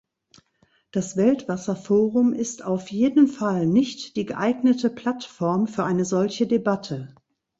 Das Weltwasserforum ist auf jeden Fall nicht die geeignete Plattform für eine solche Debatte.